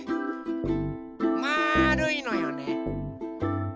まるいのよね。